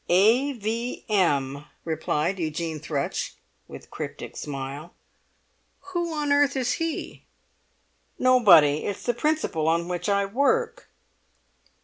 "A. V. M.!" replied Eugene Thrush, with cryptic smile. "Who on earth is he?" "Nobody; it's the principle on which I work."